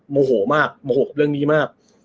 โมโหมากโมโหเรื่องนี้มาก